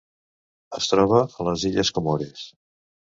Es troba a les Illes Comores.